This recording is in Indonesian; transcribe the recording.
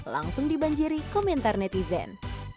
langsung dibanjiri komentar netizen